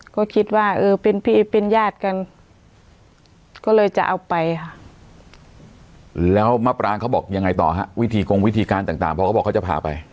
ก็คิดว่าเออเป็นพี่เป็นญาติกันก็เลยจะเอาไปค่ะแล้วมะปรางเขาบอกยังไงต่อฮะวิธีกงวิธีการต่างพอเขาบอกเขาจะพาไป